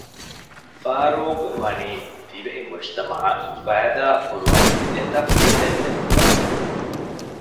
ފާރޫޤް ވަނީ ދިވެހި މުޖުތަމަޢަށް ފައިދާ ކުރުވަނިވި އެތައް ފޮތެއް ނެރުއްވައިފަ